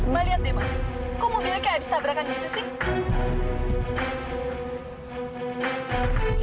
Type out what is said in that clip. ma lihat deh kok mobilnya kayak habis tabrakan gitu sih